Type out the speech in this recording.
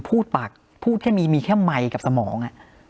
ปากพูดแค่มีแค่ไมค์กับสมอง